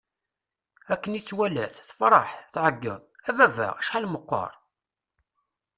Akken i tt-walat, tefṛeḥ, tɛeggeḍ: A baba! Acḥal meqqeṛ!